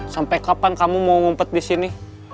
sampai kapan kamu mau ngumpet di sini